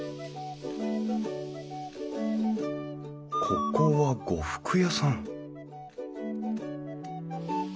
ここは呉服屋さん